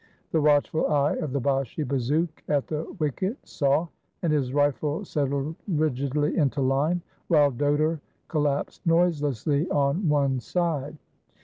The watchful eye of the Bashi bazouk at the wicket saw, and his rifle settled rigidly into line, while Dodor collapsed noiselessly to one side.